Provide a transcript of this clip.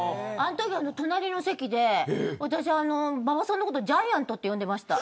隣の席で、私は馬場さんのことジャイアントと呼んでました。